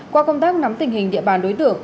qua công tác nắm tình hình địa bàn đối tượng